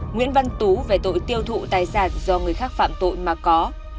nguyễn văn tú về tội tiêu thụ tài sản do người khác phạm tội mà có